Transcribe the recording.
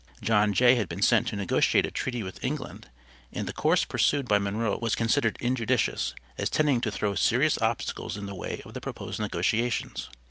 John Jay had been sent to negotiate a treaty with England, and the course pursued by Monroe was considered injudicious, as tending to throw serious obstacles in the way of the proposed negotiations.